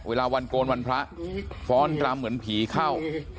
เวลาวันโกนวันพระฟ้อนรำเหมือนผีเข้า